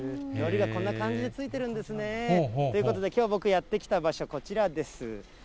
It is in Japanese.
のりがこんな感じてついてるんですね。ということできょう、僕、やって来た場所、こちらです。